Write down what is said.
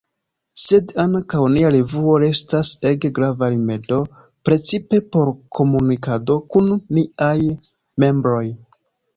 Sed ankaŭ nia revuo restas ege grava rimedo, precipe por komunikado kun niaj membroj.